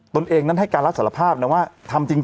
ตัวเองนั้นให้การรับสารภาพนะว่าทำจริง